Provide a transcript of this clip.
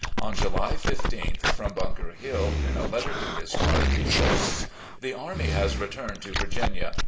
On July isth, from Blinker Hill, in a letter to his wife, he says: .. The army has returned to Virginia.